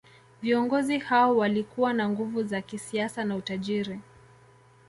Viongozi hao walikuwa na nguvu za kisiasa na utajiri